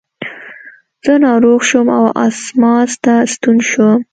زه ناروغ شوم او اسماس ته ستون شوم.